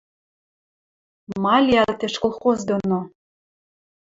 Ма лиӓлтеш колхоз доно